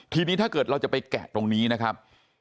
ทีนี้ถ้าเกิดเราจะไปแกะตรงนี้นะครับ